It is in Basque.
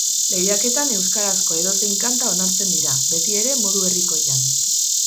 Lehiaketan euskarazko edozein kanta onartzen dira, betiere modu herrikoian.